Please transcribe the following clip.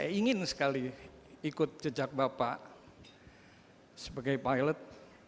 saya ingin sekali ikut jejak bapak sebagai pilot